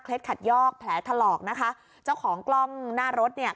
ขัดยอกแผลถลอกนะคะเจ้าของกล้องหน้ารถเนี่ย